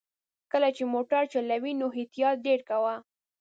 کله چې موټر چلوې نو احتياط ډېر کوه!